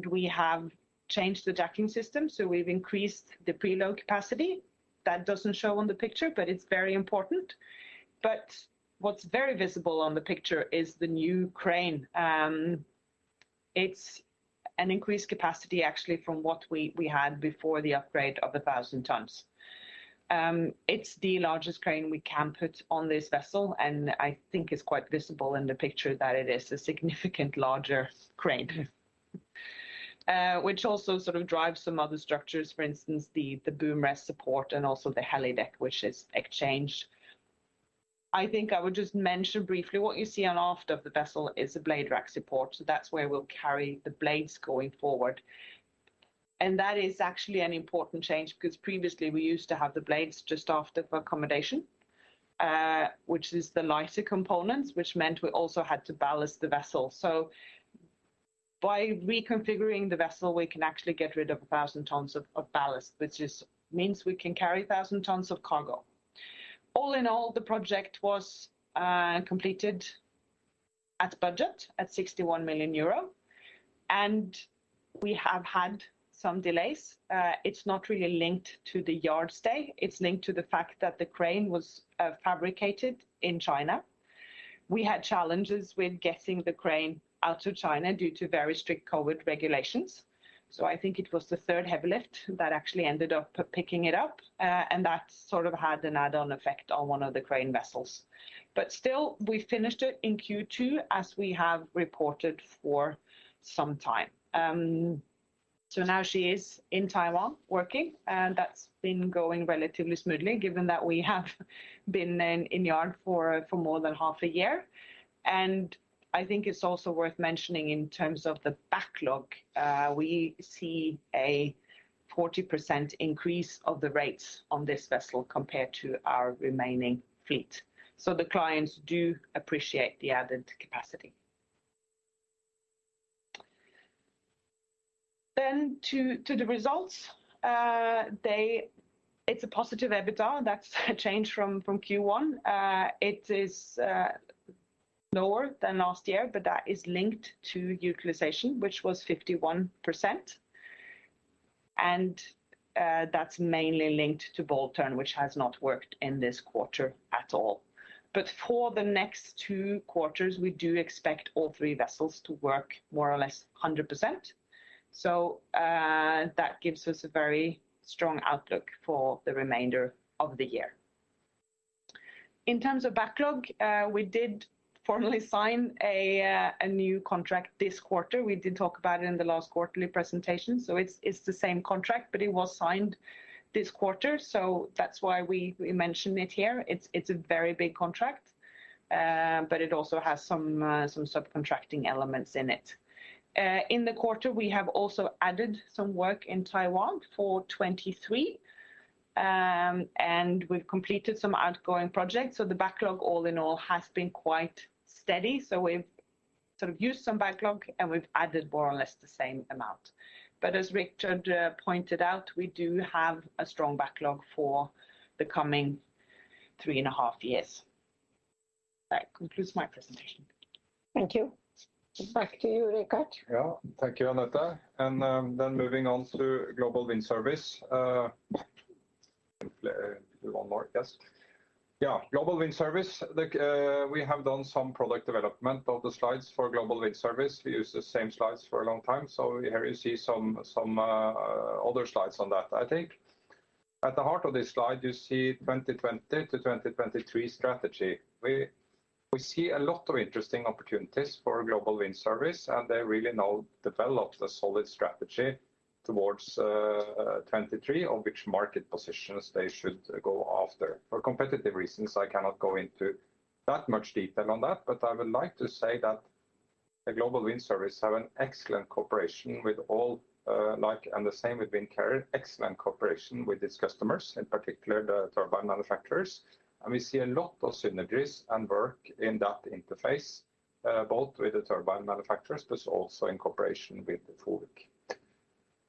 We have changed the jacking system, so we've increased the preload capacity. That doesn't show on the picture, but it's very important. What's very visible on the picture is the new crane. It's an increased capacity actually from what we had before the upgrade of 1,000 tons. It's the largest crane we can put on this vessel, and I think it's quite visible in the picture that it is a significantly larger crane. Which also sort of drives some other structures. For instance, the boom rest support and also the helideck, which is exchanged. I think I would just mention briefly what you see aft of the vessel is a blade rack support. That's where we'll carry the blades going forward. That is actually an important change because previously we used to have the blades just aft of accommodation, which is the lighter components, which meant we also had to ballast the vessel. By reconfiguring the vessel, we can actually get rid of 1,000 tons of ballast, which means we can carry 1,000 tons of cargo. All in all, the project was completed at budget at 61 million euro, and we have had some delays. It's not really linked to the yard stay. It's linked to the fact that the crane was fabricated in China. We had challenges with getting the crane out of China due to very strict COVID regulations. I think it was the third heavy lift that actually ended up picking it up. That sort of had an add-on effect on one of the crane vessels. Still, we finished it in Q2, as we have reported for some time. Now she is in Taiwan working, and that's been going relatively smoothly given that we have been then in yard for more than half a year. I think it's also worth mentioning in terms of the backlog, we see a 40% increase of the rates on this vessel compared to our remaining fleet. The clients do appreciate the added capacity. To the results. It's a positive EBITDA. That's a change from Q1. It is lower than last year, but that is linked to utilization, which was 51%. That's mainly linked to Bold Tern, which has not worked in this quarter at all. For the next two quarters, we do expect all three vessels to work more or less 100%. That gives us a very strong outlook for the remainder of the year. In terms of backlog, we did formally sign a new contract this quarter. We did talk about it in the last quarterly presentation, so it's the same contract, but it was signed this quarter, so that's why we mention it here. It's a very big contract, but it also has some subcontracting elements in it. In the quarter, we have also added some work in Taiwan for 2023. We've completed some outgoing projects, so the backlog all in all has been quite steady. We've sort of used some backlog, and we've added more or less the same amount. As Richard pointed out, we do have a strong backlog for the coming three and a half years. That concludes my presentation. Thank you. Back to you, Richard. Thank you, Anette. Moving on to Global Wind Service. Global Wind Service, like, we have done some product development of the slides for Global Wind Service. We use the same slides for a long time. Here you see some other slides on that, I think. At the heart of this slide, you see 2020-2023 strategy. We see a lot of interesting opportunities for Global Wind Service, and they really now developed a solid strategy towards 2023 of which market positions they should go after. For competitive reasons, I cannot go into that much detail on that, but I would like to say that the Global Wind Service have an excellent cooperation with all, like and the same with Windcarrier, excellent cooperation with its customers, in particular the turbine manufacturers. We see a lot of synergies and work in that interface, both with the turbine manufacturers but also in cooperation with the FOWIC.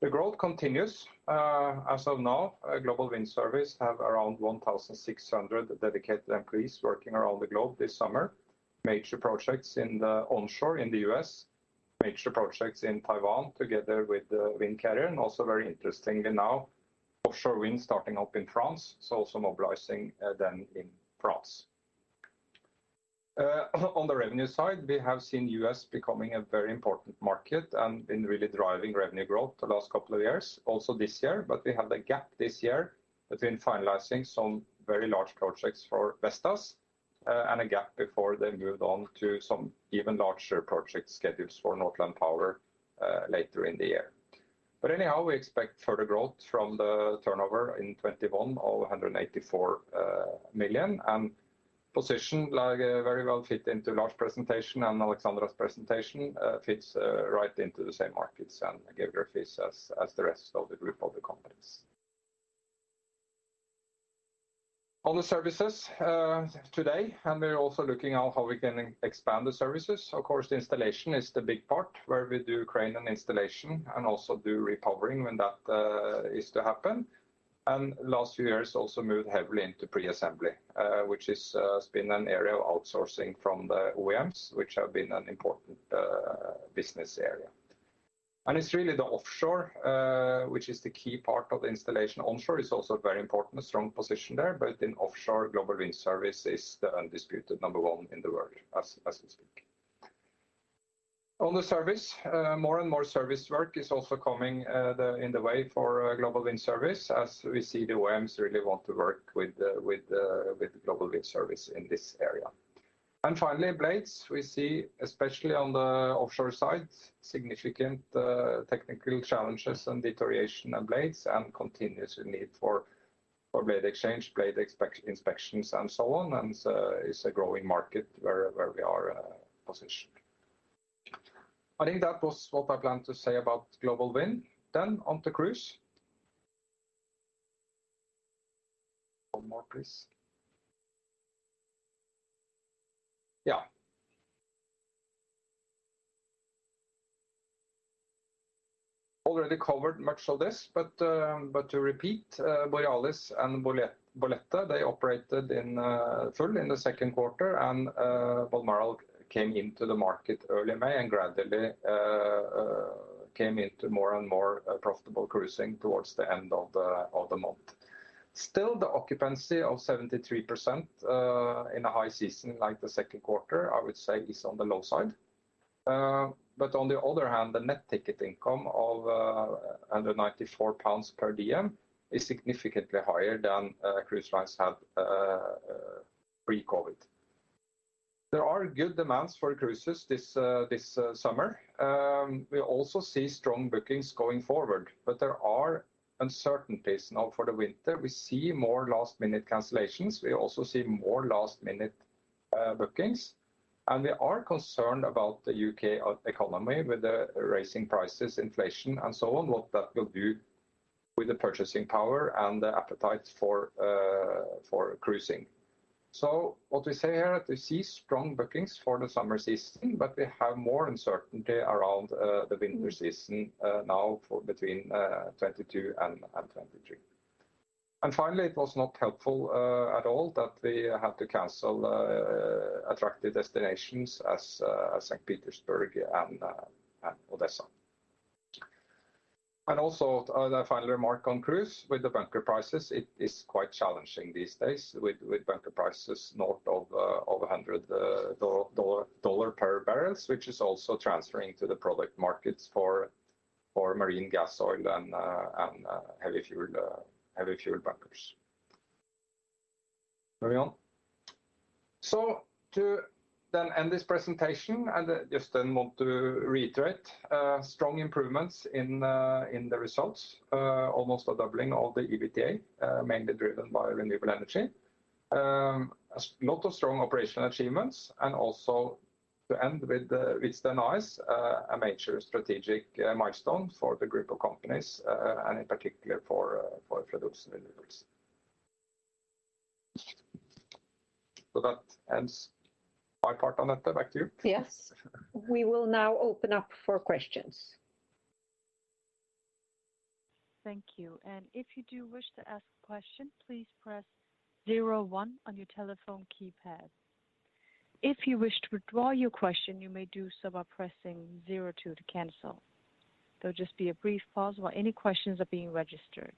The growth continues. As of now, Global Wind Service have around 1,600 dedicated employees working around the globe this summer. Major projects in the onshore in the U.S., major projects in Taiwan together with Windcarrier, and also very interestingly now, offshore wind starting up in France, so also mobilizing them in France. On the revenue side, we have seen U.S. becoming a very important market and been really driving revenue growth the last couple of years, also this year. We have a gap this year between finalizing some very large projects for Vestas, and a gap before they moved on to some even larger project schedules for Northland Power, later in the year. We expect further growth from the turnover in 2021 of 184 million. It positions us very well, fits into Lars' presentation and Alexandra's presentation, fits right into the same markets and geographies as the rest of the group of the companies. On the services today, and we're also looking at how we can expand the services. Of course, the installation is the big part where we do crane and installation and also do repowering when that is to happen. Last few years also moved heavily into pre-assembly, which has been an area of outsourcing from the OEMs, which have been an important business area. It's really the offshore which is the key part of the installation. Onshore is also very important, a strong position there. In offshore, Global Wind Service is the undisputed number one in the world as we speak. On the service, more and more service work is also coming in the way for Global Wind Service as we see the OEMs really want to work with Global Wind Service in this area. Finally, blades we see, especially on the offshore side, significant technical challenges and deterioration of blades and continuous need for blade exchange, blade inspections and so on, and is a growing market where we are positioned. I think that was what I planned to say about Global Wind. On to Cruise. One more please. Yeah. Already covered much of this, but to repeat, Borealis and Bolette, they operated in full in the second quarter and Balmoral came into the market early May and gradually came into more and more profitable cruising towards the end of the month. Still, the occupancy of 73% in a high season like the second quarter, I would say is on the low side. On the other hand, the net ticket income of under 194 pounds per diem is significantly higher than cruise lines had pre-COVID. There are good demands for cruises this summer. We also see strong bookings going forward, but there are uncertainties now for the winter. We see more last-minute cancellations. We also see more last-minute bookings. We are concerned about the U.K. economy with the rising prices, inflation, and so on, what that will do with the purchasing power and the appetite for cruising. What we say here, we see strong bookings for the summer season, but we have more uncertainty around the winter season now for between 2022 and 2023. Finally, it was not helpful at all that we had to cancel attractive destinations as St. Petersburg and Odessa. The final remark on cruise with the bunker prices, it is quite challenging these days with bunker prices north of $100 per barrel, which is also transferring to the product markets for marine gas oil and heavy fuel bunkers. Carry on. To end this presentation, and just want to reiterate strong improvements in the results, almost a doubling of the EBITDA, mainly driven by renewable energy. A lot of strong operational achievements, and also to end with a major strategic milestone for the group of companies, and in particular for Fred. Olsen Renewables. That ends my part. Anette, back to you. Yes. We will now open up for questions. Thank you. If you do wish to ask a question, please press zero one on your telephone keypad. If you wish to withdraw your question, you may do so by pressing zero two to cancel. There'll just be a brief pause while any questions are being registered.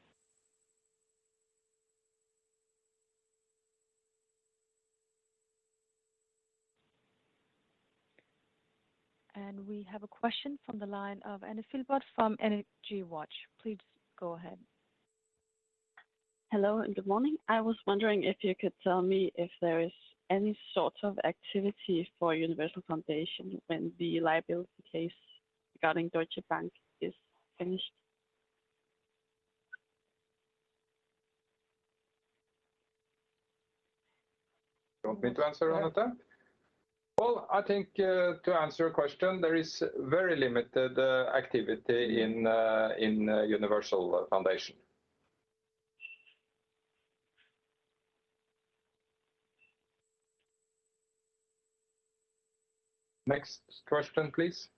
We have a question from the line of Anne Filbert from ENERGYWATCH. Please go ahead. Hello, and good morning. I was wondering if you could tell me if there is any sort of activity for Universal Foundation when the liability case regarding Deutsche Bank is finished? You want me to answer, Anette? Yeah. Well, I think, to answer your question, there is very limited activity in Universal Foundation. Next question, please.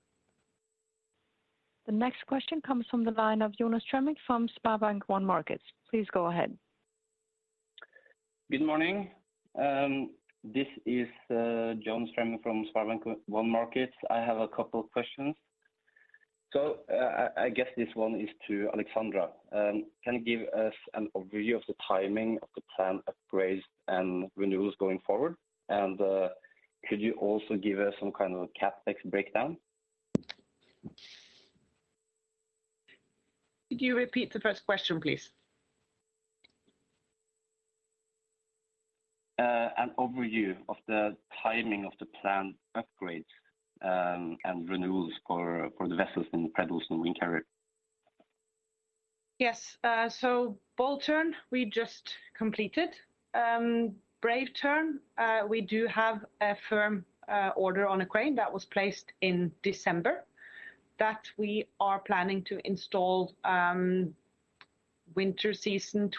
The next question comes from the line of Jonas Fremming from SpareBank 1 Markets. Please go ahead. Good morning. This is Jonas Fremming from SpareBank 1 Markets. I have a couple questions. I guess this one is to Alexandra. Can you give us an overview of the timing of the planned upgrades and renewals going forward? And could you also give us some kind of CapEx breakdown? Could you repeat the first question, please? An overview of the timing of the planned upgrades, and renewals for the vessels in Fred. Olsen Windcarrier. Yes. Bold Tern, we just completed. Brave Tern, we do have a firm order on a crane that was placed in December that we are planning to install winter season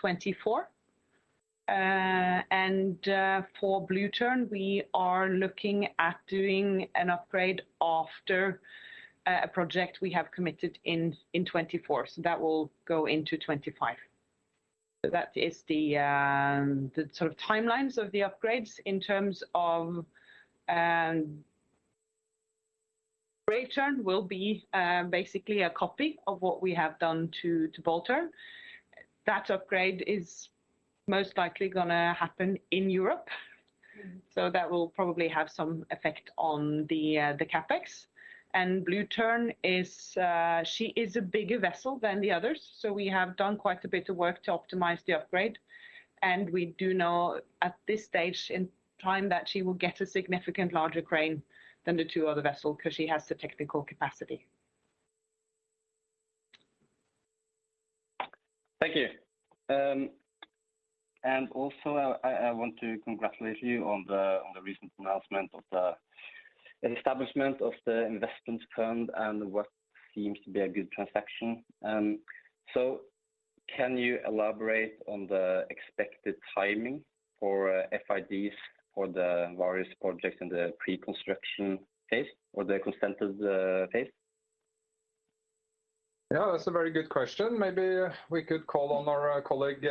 2024. For Blue Tern, we are looking at doing an upgrade after a project we have committed in 2024, so that will go into 2025. That is the sort of timelines of the upgrades. In terms of, Brave Tern will be basically a copy of what we have done to Bold Tern. That upgrade is most likely gonna happen in Europe, so that will probably have some effect on the CapEx. Blue Tern is she is a bigger vessel than the others, so we have done quite a bit of work to optimize the upgrade. We do know at this stage in time that she will get a significantly larger crane than the two other vessels because she has the technical capacity. Thank you. I want to congratulate you on the recent announcement of the establishment of the investment fund and what seems to be a good transaction. Can you elaborate on the expected timing for FIDs for the various projects in the pre-construction phase or the consented phase? Yeah, that's a very good question. Maybe we could call on our colleague,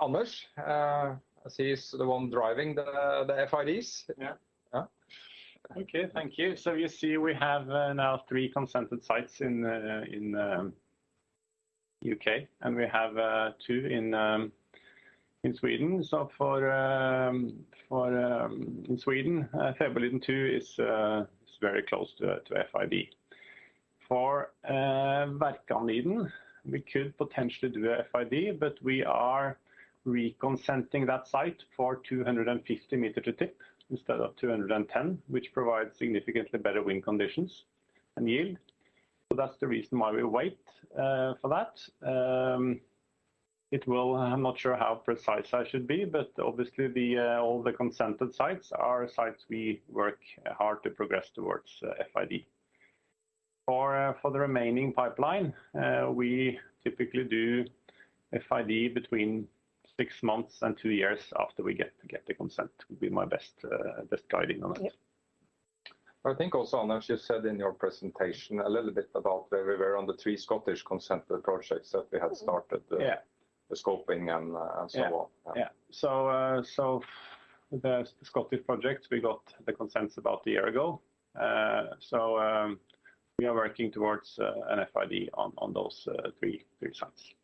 Anders. As he is the one driving the FIDs. Yeah. Yeah. Okay. Thank you. You see we have now three consented sites in the U.K., and we have two in Sweden. For Fäbodliden II in Sweden is very close to FID. For Björkhöjden, we could potentially do a FID, but we are re-consenting that site for 250 m to tip instead of 210 m, which provides significantly better wind conditions and yield. That's the reason why we wait for that. I'm not sure how precise I should be, but obviously all the consented sites are sites we work hard to progress towards FID. For the remaining pipeline, we typically do FID between six months and two years after we get the consent, would be my best guiding on that. Yeah. I think also, Anders, you said in your presentation a little bit about where we were on the three Scottish consented projects that we had started. Yeah. The scoping and so on. Yeah. The Scottish project, we got the consents about a year ago. We are working towards an FID on those three sites.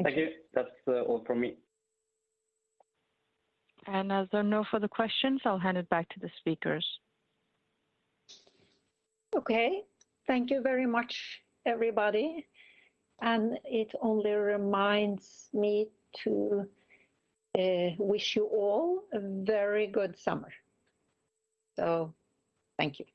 Thank you. That's all from me. As there are no further questions, I'll hand it back to the speakers. Okay. Thank you very much, everybody. It only reminds me to wish you all a very good summer. Thank you.